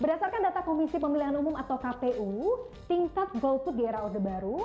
berdasarkan data komisi pemilihan umum atau kpu tingkat golput di era orde baru